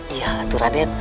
iya atu raden